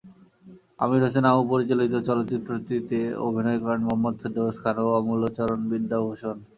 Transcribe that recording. আমির হোসেন আমু পরিচালিত চলচ্চিত্রটিতে অভিনয় করেন মোহাম্মদ ফেরদাউস খান এবং অমূল্যচরণ বিদ্যাভূষণ।